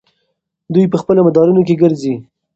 دوی په خپلو مدارونو کې ګرځي.